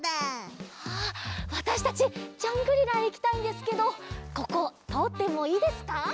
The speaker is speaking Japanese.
わたしたちジャングリラへいきたいんですけどこことおってもいいですか？